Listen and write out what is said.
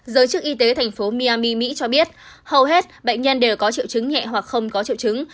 giới chức y tế thành phố miami mỹ cho biết hầu hết bệnh nhân đều có triệu chứng nhẹ hoặc không có triệu chứng